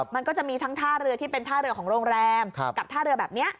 มันก็จะมีทั้งท่าเรือที่เป็นท่าเรือของโรงแรมกับท่าเรือแบบนี้